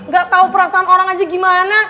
gak tahu perasaan orang aja gimana